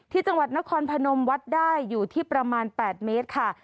ที่จังหวัดนครพนมวัดได้อยู่ที่ประมาณ๘เมตรค่ะ